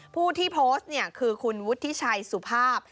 ผู้ที่โพสต์เนี่ยคือคุณวุฒิชัยสุภาพ